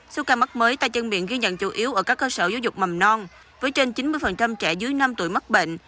số ca mắc mới tay chân miệng ghi nhận chủ yếu ở các cơ sở giáo dục mầm non với trên chín mươi trẻ dưới năm tuổi mắc bệnh